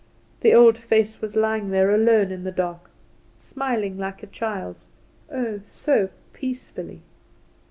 The old face was lying there alone in the dark, smiling like a little child's oh, so peacefully.